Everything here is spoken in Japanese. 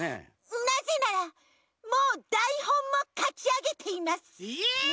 なぜならもうだいほんもかきあげています！え！？